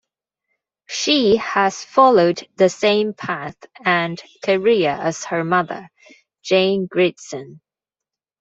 She has followed the same path and career as her mother, Jane Grigson.